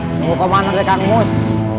pengu pemanah dari kang mus